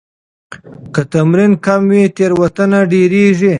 که تمرین کم وي، تېروتنه ډېريږي.